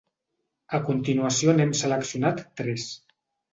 A continuació n’hem seleccionat tres.